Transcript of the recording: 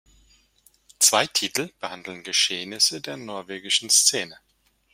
Zwei Titel behandeln Geschehnissen der norwegischen Szene.